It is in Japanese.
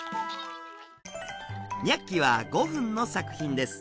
「ニャッキ！」は５分の作品です。